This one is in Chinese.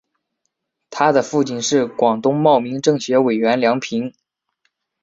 她的父亲是广东茂名政协委员梁平。